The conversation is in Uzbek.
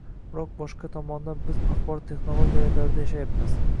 biroq boshqa tomondan biz axborot texnologiyalari davrida yashayapmiz.